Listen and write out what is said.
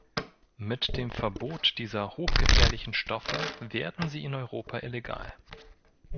Mit dem Verbot dieser hochgefährlichen Stoffe werden sie in Europa illegal.